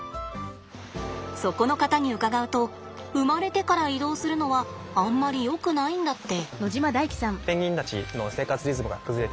そこの方に伺うと生まれてから移動するのはあんまりよくないんだって。